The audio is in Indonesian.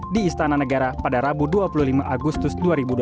di istana negara pada rabu dua puluh lima agustus dua ribu dua puluh